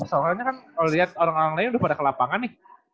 soalnya kan kalau liat orang orang lain udah pada ke lapangan nih